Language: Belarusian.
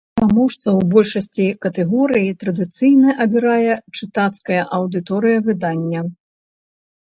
Пераможцаў большасці катэгорый традыцыйна абірае чытацкая аўдыторыя выдання.